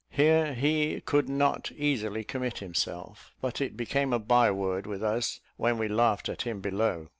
Here he could not easily commit himself: but it became a bye word with us when we laughed at him below.